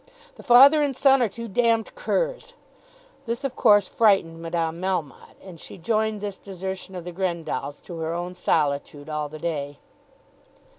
"The father and son are two d curs." This of course frightened Madame Melmotte, and she joined this desertion of the Grendalls to her own solitude all the day.